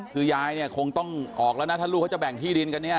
คือยายเนี่ยคงต้องออกแล้วนะถ้าลูกเขาจะแบ่งที่ดินกันเนี่ย